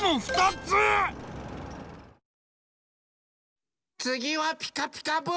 つぎは「ピカピカブ！」ですよ！